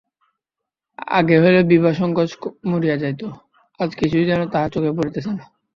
আগে হইলে বিভা সঙ্কোচে মরিয়া যাইত, আজ কিছুই যেন তাহার চোখে পড়িতেছে না।